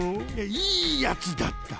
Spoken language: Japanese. いやいいやつだった！